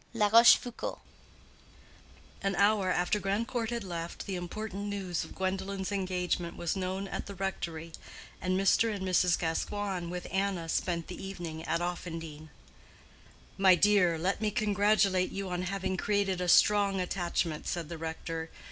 —LA ROCHEFOUCAULD. An hour after Grandcourt had left, the important news of Gwendolen's engagement was known at the rectory, and Mr. and Mrs. Gascoigne, with Anna, spent the evening at Offendene. "My dear, let me congratulate you on having created a strong attachment," said the rector.